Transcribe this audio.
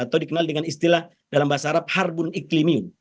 atau dikenal dengan istilah dalam bahasa arab harbun iklimium